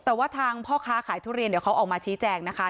แต่ว่าทางพ่อค้าขายทุเรียนเดี๋ยวเขาออกมาชี้แจงนะคะ